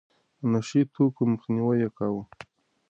د نشه يي توکو مخنيوی يې کاوه.